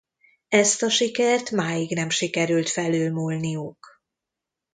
Ezt a sikert máig nem sikerült felülmúlniuk.